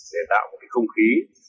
để tạo một cái không khí